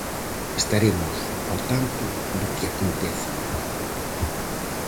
Estaremos ao tanto do que aconteza.